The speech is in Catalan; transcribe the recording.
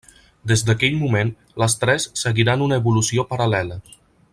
Des d'aquell moment, les tres seguiran una evolució paral·lela.